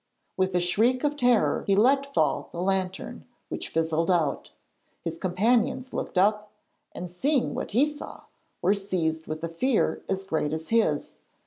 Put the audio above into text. With a shriek of terror he let fall the lantern, which fizzled out. His companions looked up, and, seeing what he saw, were seized with a fear as great as his.